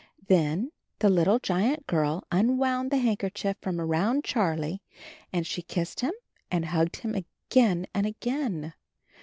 Then the little giant girl unwound the handkerchief from around Charlie and she kissed him and hugged him again and again.